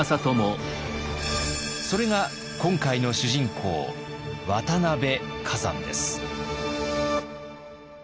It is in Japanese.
それが今回の主人公渡辺崋山です。